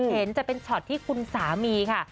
เห็นจะเป็นช็อตที่คุณสามีค่ะ